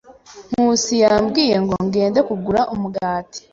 Nkusi yambwiye ngo ngende kugura umugati.